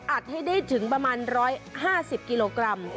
ให้ได้ถึงประมาณ๑๕๐กิโลกรัม